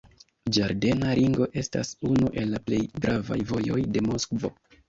Ĝardena ringo estas unu el plej gravaj vojoj de Moskvo.